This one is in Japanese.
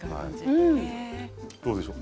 どうでしょうか？